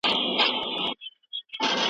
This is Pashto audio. پانګه د سپما د کچې د لوړوالي له امله زياتېږي.